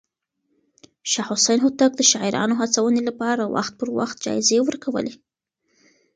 شاه حسين هوتک د شاعرانو هڅونې لپاره وخت پر وخت جايزې ورکولې.